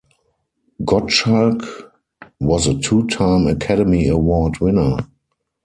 Gottschalk was a two time Academy Award winner.